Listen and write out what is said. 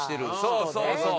そうそうそう。